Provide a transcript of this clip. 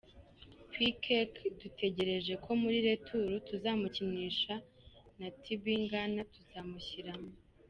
Pekeake dutegereje ko muri retour tuzamukinisha na Tibingana tuzamushiramo.